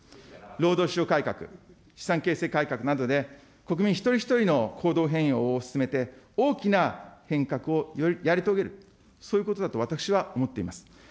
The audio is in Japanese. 労働市場改革、資産形成改革などで、国民一人一人の行動変容を進めて、大きな変革をやり遂げる、そういうことだと私は思っています。